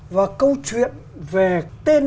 và câu chuyện về tên ả đào sinh ra từ thời lý